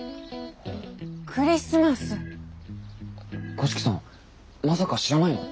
五色さんまさか知らないの？